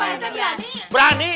pak rt berani